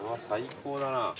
最高だな。